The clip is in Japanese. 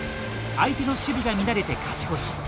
相手の守備が乱れて勝ち越し。